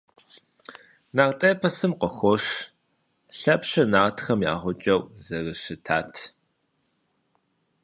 Нарт эпосым къыхощ Лъэпщыр нартхэ я гъукӀэу зэрыщытат.